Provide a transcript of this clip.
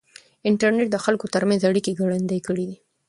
انټرنېټ د خلکو ترمنځ اړیکې ګړندۍ کړې دي.